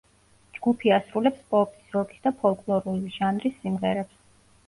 ჯგუფი ასრულებს პოპის, როკის და ფოლკლორული ჟანრის სიმღერებს.